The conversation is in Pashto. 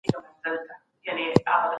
که پوهه ولرو هيڅ ستونزه به موږ ته خنډ نه سي.